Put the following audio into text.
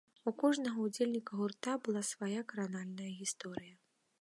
У кожнага ўдзельніка гурта была свая кранальная гісторыя.